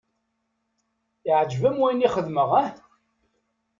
Yeɛǧb-am wayen i xedmeɣ ah?